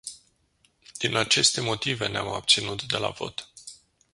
Din aceste motive ne-am abținut de la vot.